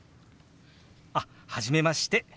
あっ初めまして。